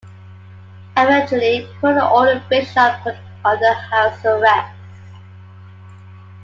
Eventually, Coard ordered Bishop put under house arrest.